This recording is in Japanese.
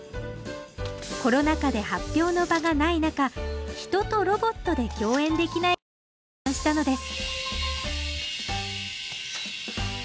コロナ禍で発表の場がない中人とロボットで共演できないかと発案したのです